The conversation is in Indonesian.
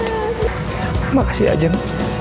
terima kasih ajeng